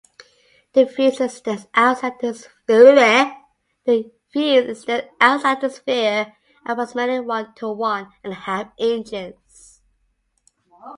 The fuse extends outside the sphere approximately one to one and a half inches.